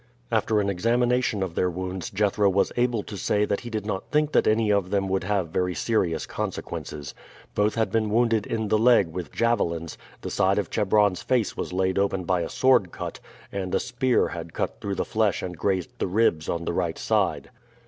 After an examination of their wounds Jethro was able to say that he did not think that any of them would have very serious consequences. Both had been wounded in the leg with javelins, the side of Chebron's face was laid open by a sword cut, and a spear had cut through the flesh and grazed the ribs on the right side.